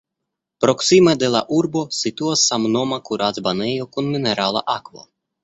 Proksime de la urbo situas samnoma kurac-banejo kun minerala akvo.